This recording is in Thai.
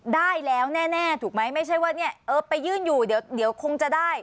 ได้แล้วแน่ถูกไหมไม่ใช่ว่าเนี่ยเออไปยื่นอยู่เดี๋ยวคงจะได้